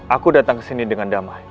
aku datang ke sini dengan damai